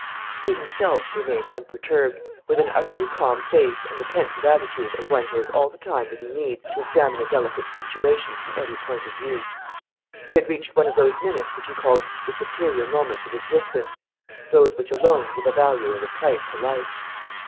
He himself remained unperturbed, with an utterly calm face and the pensive attitude of one who has all the time that he needs to examine a delicate situation from every point of view. He had reached one of those minutes which he called the "superior moments of existence," those which alone give a value and a price to life.